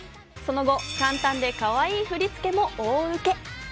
その後、簡単でかわいい振り付けが大ウケ。